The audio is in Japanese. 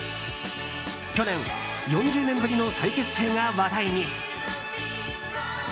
去年、４０年ぶりの再結成が話題に。